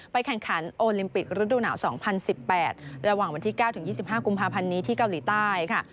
แข่งขันโอลิมปิกฤดูหนาว๒๐๑๘ระหว่างวันที่๙๒๕กุมภาพันธ์นี้ที่เกาหลีใต้ค่ะ